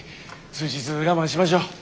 数日我慢しましょう。